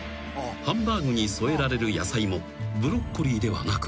ハンバーグに添えられる野菜もブロッコリーではなく］